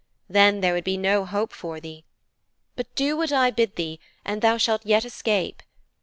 Then there would be no hope for thee. But do what I bid thee and thou shalt yet escape.